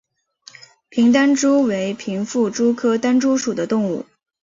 平单蛛为平腹蛛科单蛛属的动物。